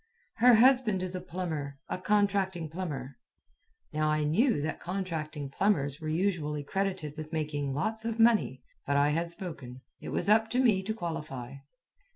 "Her husband is a plumber a contracting plumber." Now I knew that contracting plumbers were usually credited with making lots of money. But I had spoken. It was up to me to qualify.